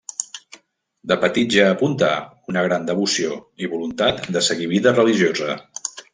De petit ja apuntà una gran devoció i voluntat de seguir vida religiosa.